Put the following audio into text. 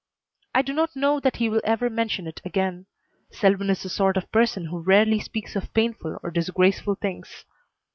I do not know that he will ever mention it again. Selwyn is the sort of person who rarely speaks of painful or disgraceful things.